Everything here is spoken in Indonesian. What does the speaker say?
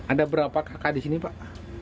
ada berapa kakak di sini pak